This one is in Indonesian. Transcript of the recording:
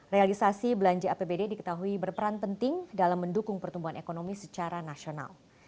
realisasi belanja apbd diketahui berperan penting dalam mendukung pertumbuhan ekonomi secara nasional